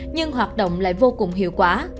nhưng hoạt động lại vô cùng hiệu quả